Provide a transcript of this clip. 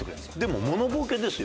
でもモノボケですよ？